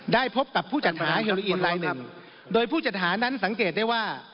พบกับผู้จัดหาเฮโลอินลายหนึ่งโดยผู้จัดหานั้นสังเกตได้ว่า